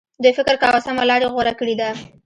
دوی فکر کاوه سمه لار یې غوره کړې ده.